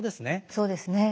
そうですね。